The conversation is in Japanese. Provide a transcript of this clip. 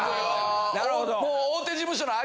なるほど。